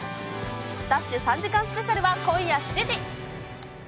３時間スペシャルは今夜７時。